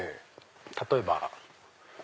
例えば。